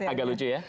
agak lucu ya